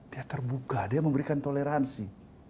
dia terbuka dia memberikan toleransi